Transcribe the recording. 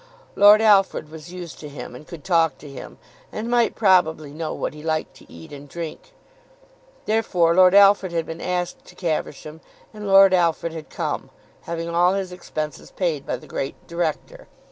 Lord Alfred was used to him and could talk to him, and might probably know what he liked to eat and drink. Therefore Lord Alfred had been asked to Caversham, and Lord Alfred had come, having all his expenses paid by the great Director.